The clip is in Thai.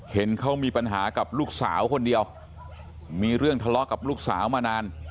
เห็นเขามีปัญหากับลูกสาวคนเดียวมีเรื่องทะเลาะกับลูกสาวมานาน